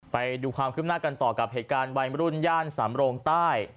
ไปดูความคืบหน้ากันต่อกับเหตุการณ์วัยมรุ่นย่านสำโรงใต้